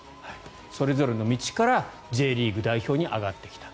それぞれの道からＪリーグ代表に上がってきた。